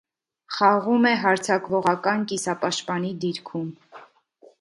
Խաղում է հարձակվողական կիսապաշտպանի դիրքում։